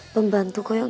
pembantu kaya gini